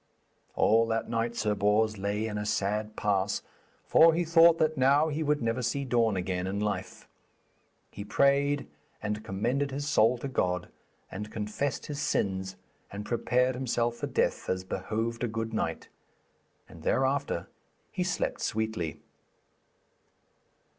All that night Sir Bors lay in a sad pass, for he thought that now he would never see dawn again in life. He prayed and commended his soul to God, and confessed his sins and prepared himself for death as behoved a good knight; and thereafter he slept sweetly.